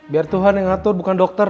biar tuhan yang ngatur bukan dokter